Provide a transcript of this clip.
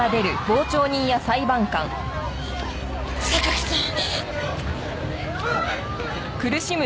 榊さん。